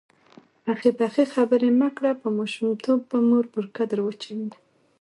پخې پخې خبرې مه کړه_ په ماشومتوب به مور بورکه در واچوینه